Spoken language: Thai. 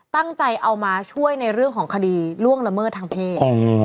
ตั้งใจเอามาช่วยในเรื่องของคดีล่วงละเมิดทางเพศ